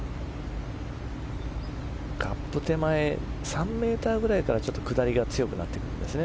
カップ手前３ｍぐらいからちょっと下りが強くなってくるんですね。